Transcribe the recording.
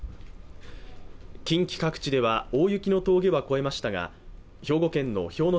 近畿各地では大雪の峠は越えましたが兵庫県の氷ノ